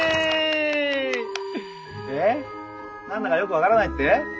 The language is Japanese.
何だかよく分からないって？